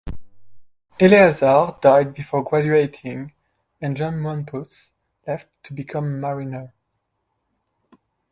Eleazar died before graduating and John Wampus left to become a mariner.